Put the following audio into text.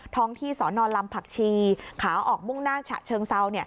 ที่สอนอนลำผักชีขาออกมุ่งหน้าฉะเชิงเซา